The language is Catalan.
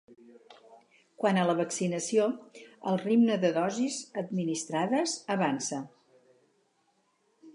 Quant a la vaccinació, el ritme de dosis administrades avança.